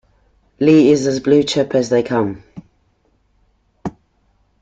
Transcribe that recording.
Lee is as blue chip as they come.